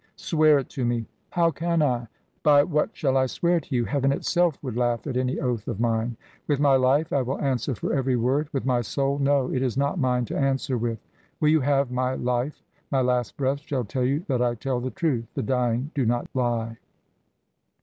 "Swear it to me." "How can I? By what shall I swear to you? Heaven itself would laugh at any oath of mine. With my life I will answer for every word. With my soul no it is not mine to answer with. Will you have my life? My last breath shall tell you that I tell the truth. The dying do not lie."